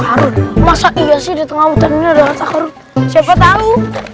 artistscar siapa tau